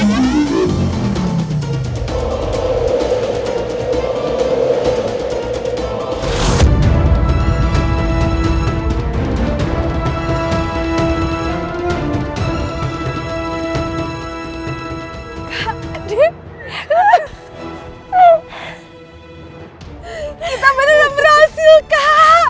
kita beneran berhasil kak